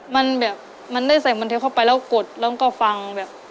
มันแบบมันได้ใส่บันทึกเข้าไปแล้วกดแล้วก็ฟังแบบ